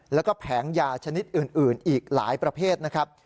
แล้วก็แผงยาชนิดอื่นอีกหลายประเภทนะครับ